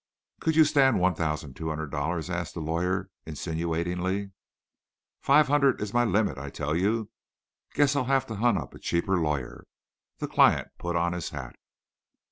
"Could you stand one thousand two hundred dollars?" asked the lawyer, insinuatingly. "Five hundred is my limit, I tell you. Guess I'll have to hunt up a cheaper lawyer." The client put on his hat.